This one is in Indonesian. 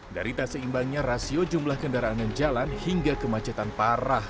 dari taseimbangnya rasio jumlah kendaraan yang jalan hingga kemacetan parah